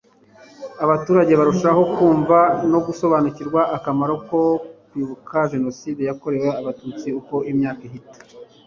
abaturage barushaho kumva no gusobanukirwa akamaro ko kwibuka jenoside yakorewe abatutsi uko imyaka ihita